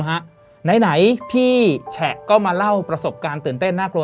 ไหนพี่แฉะก็มาเล่าประสบการณ์ตื่นเต้นน่ากลัว